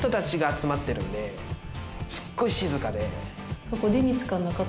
すっごい静かで。